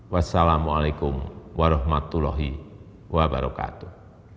wassalamu'alaikum warahmatullahi wabarakatuh